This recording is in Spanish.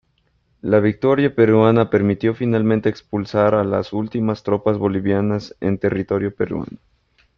La victoria peruana permitió finalmente expulsar a las últimas tropas bolivianas en territorio peruano.